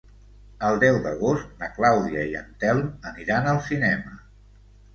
El deu d'agost na Clàudia i en Telm aniran al cinema.